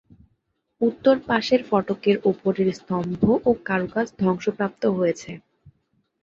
উত্তর পাশের ফটকের ওপরের স্তম্ভ ও কারুকাজ ধ্বংসপ্রাপ্ত হয়েছে।